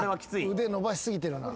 腕伸ばし過ぎてるな。